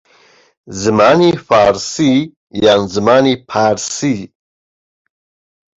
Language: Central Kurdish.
زمانی فارسی یان زمانی پارسی